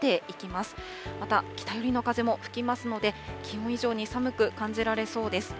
また、北寄りの風も吹きますので、気温以上に寒く感じられそうです。